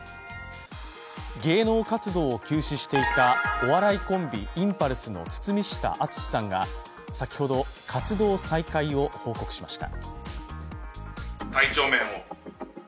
芸能活動を休止していたお笑いコンビ、インパルスの堤下敦さんが先ほど、活動再開を報告しました。